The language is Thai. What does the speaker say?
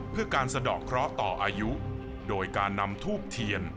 เพื่อการสะดอกเคราะห์ต่ออายุโดยการนำทูบเทียน